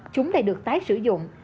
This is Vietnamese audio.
chúng lại được tái sử dụng